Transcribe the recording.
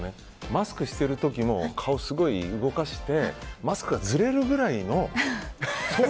マスクしている時も顔、すごい動かしてマスクがずれるくらいの。